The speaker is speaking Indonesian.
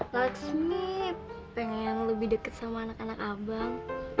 lasmi pengen lebih deket sama anak anak abang